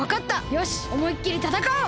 よしおもいっきりたたかおう！